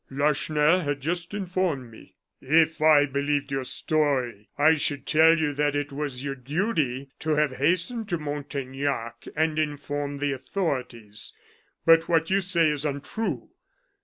"Lacheneur had just informed me." "If I believed your story, I should tell you that it was your duty to have hastened to Montaignac and informed the authorities. But what you say is untrue.